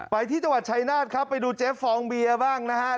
ไปที่จังหวัดชายนาฏครับไปดูเจ๊ฟองเบียบ้างนะครับ